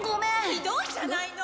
ひどいじゃないの！